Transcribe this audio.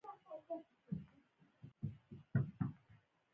• ژوند د خوښیو او غمونو یو ګډ انځور دی.